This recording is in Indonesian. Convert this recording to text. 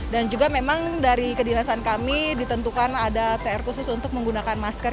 dan juga memang dari kedinasan kami ditentukan ada tr khusus untuk menggunakan masker